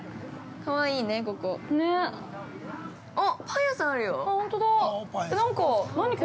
◆かわいいね、ここ。